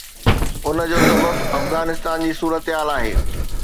ان جو سبب افغانستان جي صورتحال آهي.